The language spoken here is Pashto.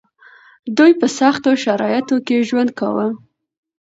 دوی په سختو شرايطو کې ژوند کاوه.